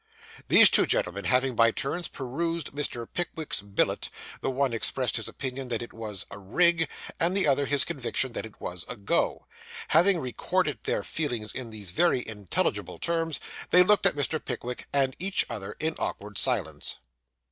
These two gentlemen having by turns perused Mr. Pickwick's billet, the one expressed his opinion that it was 'a rig,' and the other his conviction that it was 'a go.' Having recorded their feelings in these very intelligible terms, they looked at Mr. Pickwick and each other in awkward silence.